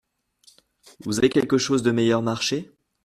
Vous avez quelque chose de meilleur marché ?